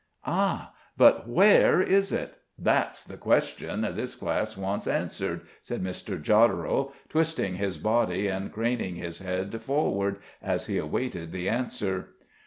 "Ah, but where is it? that's the question this class wants answered," said Mr. Jodderel, twisting his body and craning his head forward as he awaited the answer.